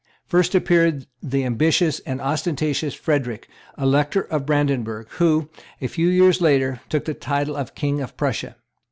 First appeared the ambitious and ostentatious Frederic, Elector of Brandenburg, who, a few years later, took the title of King of Prussia.